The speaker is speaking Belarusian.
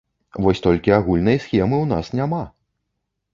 Вось толькі агульнай схемы ў нас няма!